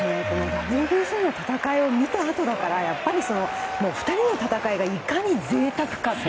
ＷＢＣの戦いを見たあとだから２人の戦いがいかに贅沢かと。